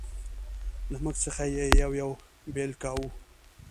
له موږ څخه یې یو یو بېل کاوه.